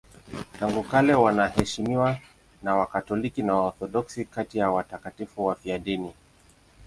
Tangu kale wanaheshimiwa na Wakatoliki na Waorthodoksi kati ya watakatifu wafiadini.